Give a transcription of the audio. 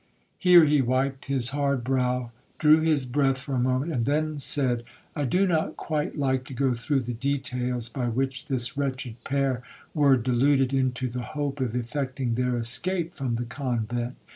'Here he wiped his hard brow, drew his breath for a moment, and then said, 'I do not quite like to go through the details by which this wretched pair were deluded into the hope of effecting their escape from the convent.